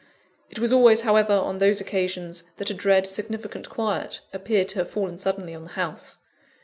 It was always, however, on those occasions, that a dread, significant quiet appeared to have fallen suddenly on the house.